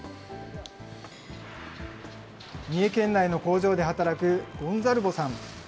三重県内の工場で働くゴンザルボさん。